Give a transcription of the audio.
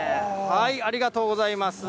ありがとうございます。